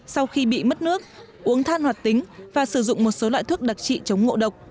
sau khi bị mất nước uống than hoạt tính và sử dụng một số loại thuốc đặc trị chống ngộ độc